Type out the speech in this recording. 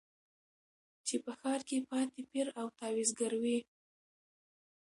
چي په ښار کي پاته پیر او تعویذګروي